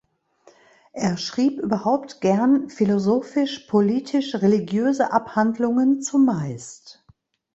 Er „schrieb überhaupt gern, philosophisch-politisch-religiöse Abhandlungen zumeist.